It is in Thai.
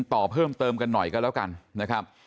ต่อเพิ่มเติมกันหน่อยก็แล้วกันนะครับ